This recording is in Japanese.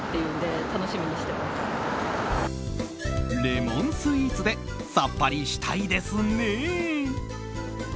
レモンスイーツでさっぱりしたいですね！